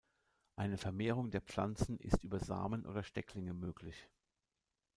Eine Vermehrung der Pflanzen ist über Samen oder Stecklinge möglich.